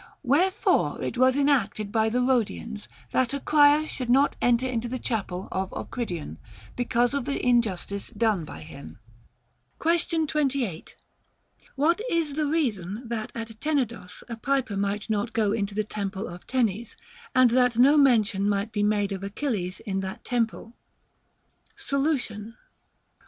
Wherefore it was enacted by the Rhodians that a crier should not enter into the chapel of Ocridion, because of the injustice done by him. Question 28. What is the reason that at Tenedos a piper might not go into the temple of Tenes, and that no mention might be made of x\chilles in that temple? Solution.